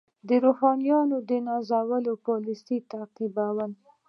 د روحانیونو د نازولو پالیسي تعقیبول.